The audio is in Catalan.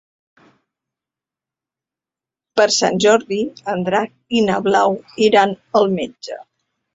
Per Sant Jordi en Drac i na Blau iran al metge.